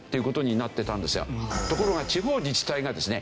ところが地方自治体がですね